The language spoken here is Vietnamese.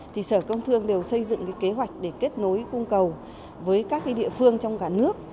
thì sở công thương đều xây dựng kế hoạch để kết nối cung cầu với các địa phương trong cả nước